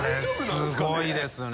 すごいですね。